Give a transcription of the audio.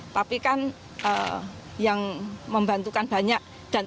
tapi kan yang membantukan banyak